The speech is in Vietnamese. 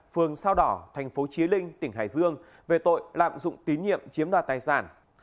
phường sao đỏ thành phố trí linh tỉnh hải dương về tội lạm dụng tín nhiệm chiếm đoạt tài sản